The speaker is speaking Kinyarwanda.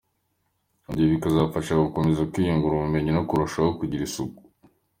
Ibyo bikazabafasha gukomeza kwiyungura ubumenyi no kurushaho kugira isuku.